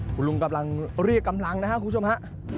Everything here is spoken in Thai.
คุณลุงกำลังเรียกกำลังนะครับคุณผู้ชมฮะ